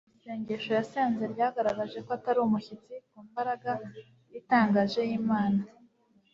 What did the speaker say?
Isengesho yasenze ryagaragaje ko atari umushyitsi ku mbaraga itangaje yImana